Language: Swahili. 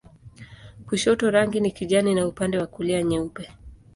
Kushoto rangi ni kijani na upande wa kulia nyeupe.